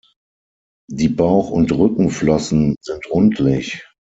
Die Bauch- und Rückenflossen sind rundlich.